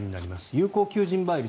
有効求人倍率